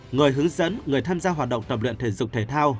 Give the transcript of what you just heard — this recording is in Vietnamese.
người hướng dẫn người tham gia hoạt động tập luyện thể dục thể thao